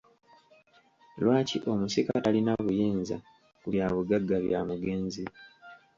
Lwaki omusika talina buyinza ku byabugagga bya mugenzi?